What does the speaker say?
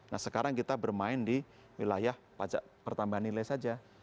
nah sekarang kita bermain di wilayah pajak pertambahan nilai saja